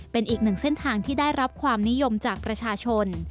เป็นอีกหนึ่งเส้นทางที่ได้รับความนิยมจากประชาชน